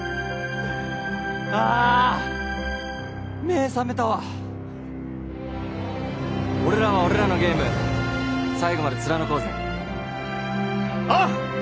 あーっ目ぇ覚めたわ俺らは俺らのゲーム最後まで貫こうぜおう！